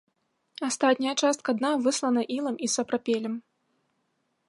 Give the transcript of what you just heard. Астатняя частка дна выслана ілам і сапрапелем.